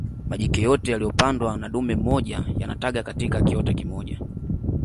majike yote yaliyopandwa na dume mmoja yanataga katika kiota kimoja